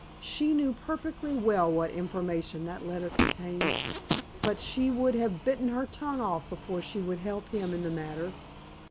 She knew perfectly well what information that letter contained, but she would have bitten her tongue off before she would help him in the matter.